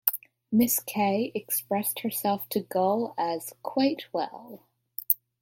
Miss K expressed herself to Gull as "quite well".